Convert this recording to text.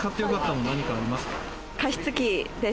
加湿器です。